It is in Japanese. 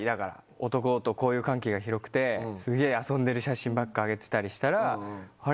男と交友関係が広くてすげぇ遊んでる写真ばっか上げてたりしたらあれ？